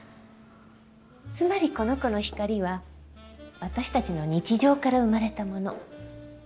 つまりこの子の光は私たちの日常から生まれたもの。